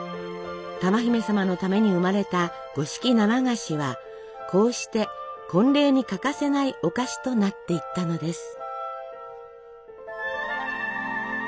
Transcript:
珠姫様のために生まれた五色生菓子はこうして婚礼に欠かせないお菓子となっていったのです。